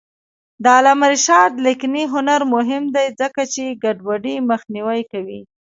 د علامه رشاد لیکنی هنر مهم دی ځکه چې ګډوډي مخنیوی کوي.